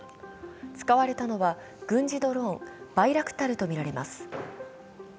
使われたのは軍事ドローン、バイラクタルとみられます。